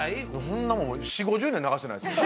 そんなもん４０５０年流してないですよ